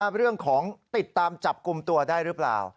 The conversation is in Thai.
เรื่องของติดตามจับกลุ่มตัวได้หรือเปล่า